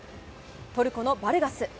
トルコのバルガス。